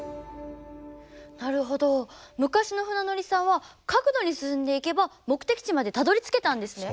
なるほど昔の船乗りさんは角度に進んでいけば目的地までたどりつけたんですね。